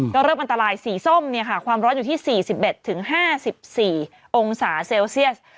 ก็เริ่มอันตรายสีส้มความร้อนอยู่ที่๔๑๕๔องศาเซลเซียส